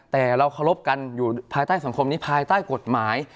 แต่เราเคารพกันอยู่ภายใต้สังคมนี้ภายใต้กฎหมาย